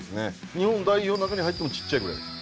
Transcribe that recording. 日本代表の中に入ってもちっちゃいぐらい。